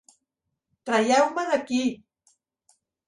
Traieu-me d'aquí!